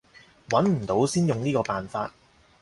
揾唔到先用呢個辦法